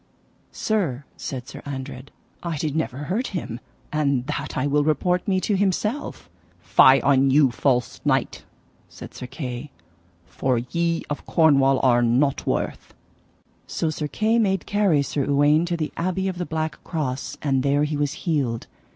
Sir, said Sir Andred, I did never hurt him, and that I will report me to himself. Fie on you false knight, said Sir Kay, for ye of Cornwall are nought worth. So Sir Kay made carry Sir Uwaine to the Abbey of the Black Cross, and there he was healed.